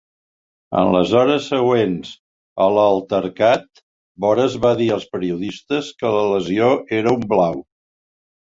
En les hores següents a la altercat Boras va dir als periodistes que la lesió era un blau.